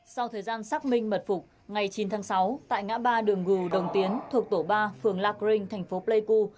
sau thời gian xác minh mật phục ngày chín tháng sáu tại ngã ba đường gù đồng tiến thuộc tổ ba phường la grin thành phố pleiku